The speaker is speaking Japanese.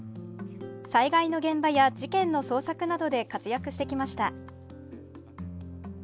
災害の現場や事件の捜索などで活躍してきました。